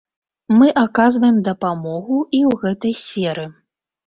Мы аказваем дапамогу і ў гэтай сферы.